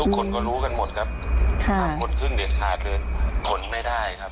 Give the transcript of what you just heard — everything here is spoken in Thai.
คนก็รู้กันหมดครับคนขึ้นเด็ดขาดเลยขนไม่ได้ครับ